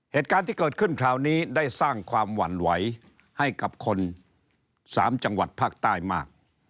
เหตุการณ์ที่เกิดขึ้นคราวนี้ได้สร้างความหวั่นไหวให้กับคน๓จังหวัดภาคใต้มาก